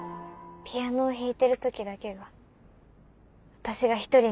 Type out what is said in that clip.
ピアノを弾いてる時だけは私が１人になれる。